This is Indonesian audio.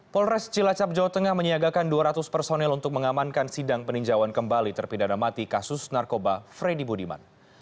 polres cilacap jawa tengah menyiagakan dua ratus personel untuk mengamankan sidang peninjauan kembali terpidana mati kasus narkoba freddy budiman